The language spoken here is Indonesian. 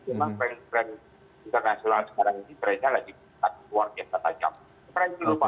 memang tren tren internasional sekarang ini trennya lagi keluarga tetap